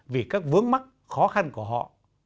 vì các vướng mắt khó khăn của họ